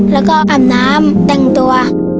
แล้วก็อาบน้ำแต่งตัว